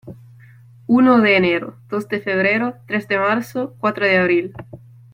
Uno de enero, dos de febrero, tres de marzo, cuatro de abril.